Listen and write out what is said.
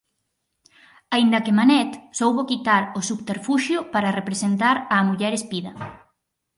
Aínda que Manet soubo quitar o subterfuxio para representar á muller espida.